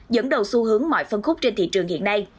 dẫn đầu xu hướng mọi phân khúc trên thị trường hiện nay